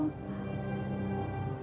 mas erwin tersenyum